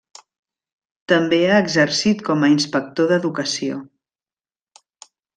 També ha exercit com a inspector d'educació.